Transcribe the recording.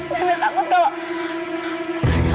nanda takut kalau